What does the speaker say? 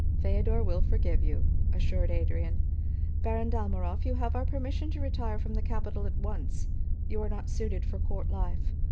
"Feodor will forgive you," assured Adrian. "Baron Dalmorov, you have our permission to retire from the capital at once; you are not suited for court life.